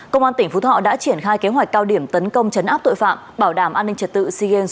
công an tỉnh phú thọ đã triển khai kế hoạch cao điểm tấn công chấn áp tội phạm bảo đảm an ninh trật tự sea games ba mươi một